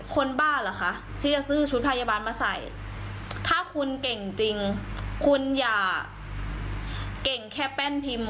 บ้าเหรอคะที่จะซื้อชุดพยาบาลมาใส่ถ้าคุณเก่งจริงคุณอย่าเก่งแค่แป้นพิมพ์